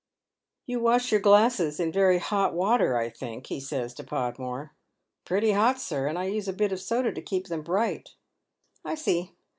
" You wash your glasses in very hot water, I think," he says to Podmore. " Pretty hot, sir. And I use a bit of soda to keep them bright." " I see.